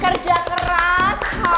kerja keras hard work